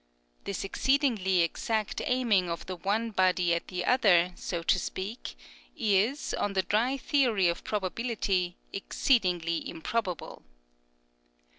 This exceedingly exact aiming of the one body at the other, so to speak, is, on the dry theory of probability, exceedingly improb able.